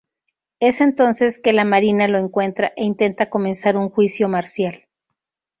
Es entonces que la marina lo encuentra e intenta comenzar un juicio marcial.